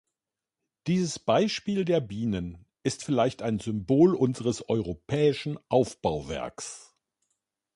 Dieses Beispiel der Bienen ist vielleicht ein Symbol unseres europäischen Aufbauwerks.